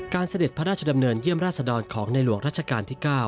เสด็จพระราชดำเนินเยี่ยมราชดรของในหลวงรัชกาลที่๙